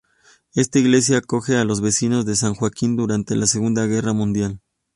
Esta iglesia acoge a los vecinos de San Joaquín durante la Segunda Guerra Mundial.